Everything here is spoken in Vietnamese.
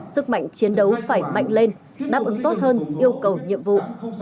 sức mạnh chiến đấu phải mạnh lên đáp ứng tốt hơn yêu cầu nhiệm vụ